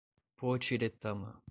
Potiretama